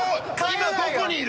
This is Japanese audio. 今どこにいる？